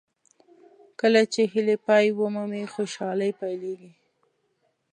کله چې هیلې پای ومومي خوشالۍ پیلېږي.